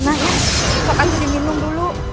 kita akan minum dulu